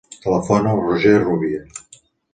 Telefona al Roger Rubia.